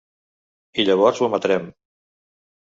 I llavors ho emetrem.